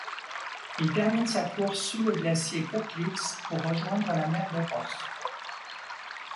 Il termine sa course sous le glacier Koettlitz pour rejoindre la mer de Ross.